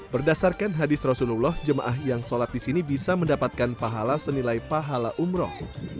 berdasarkan hadis rasulullah jemaah yang sholat di sini bisa mendapatkan pahala senilai pahala umroh